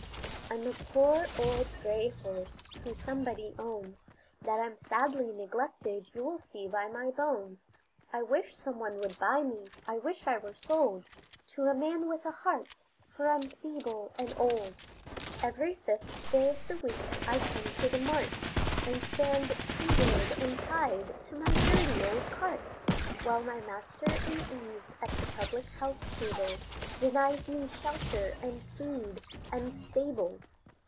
I'm a poor old gray horse whom somebody owns, That I'm sadly neglected you will see by my bones; I wish some one would buy me I wish I were sold To a man with a heart, for I'm feeble and old. Every fifth day of the week I come to the mart, And stand tethered and tied to my dirty old cart, While my master in ease at the public house table, Denies me shelter, and food, and stable.